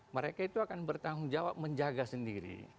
mereka itu akan bertanggung jawab menjaga sendiri